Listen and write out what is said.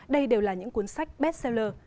đây đều là những cuốn sách bestseller